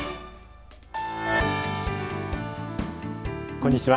こんにちは。